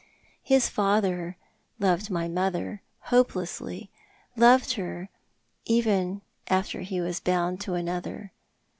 His father loved my mother — hopelessly— loved her after he was bound to another.